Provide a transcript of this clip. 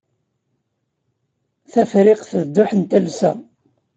Tafriqt d dduḥ n talsa.